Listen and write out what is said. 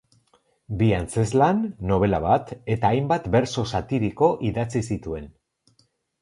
Bi antzezlan, nobela bat eta hainbat bertso satiriko idatzi zituen.